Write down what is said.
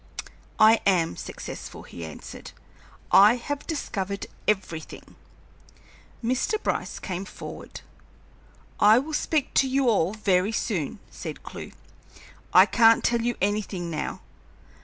"I am successful," he answered. "I have discovered everything!" Mr. Bryce came forward. "I will speak to you all very soon," said Clewe. "I can't tell you anything now.